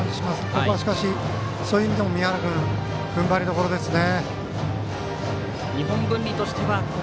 ここは、そういう意味でも宮原君踏ん張りどころですね。